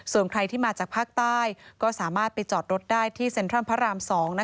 ส่วนใครที่มาจากภาคใต้ก็สามารถไปจอดรถได้ที่เซ็นทรัลพระราม๒